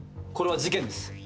これは事件です。